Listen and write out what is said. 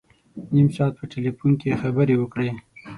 نیم ساعت په ټلفون کې خبري وکړې.